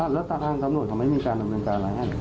อ่าแล้วสถานการณ์ตำรวจตัวไม่มีทางดำเนินการอะไรฮะ